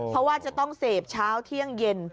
เพราะว่าจะต้องเสพเช้าเที่ยงเย็น